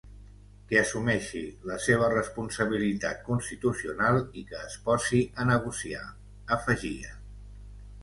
Que assumeixi la seva responsabilitat constitucional i que es posi a negociar, afegia.